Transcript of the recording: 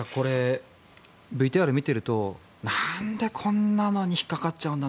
ＶＴＲを見ているとなんでこんなのに引っかかっちゃうんだ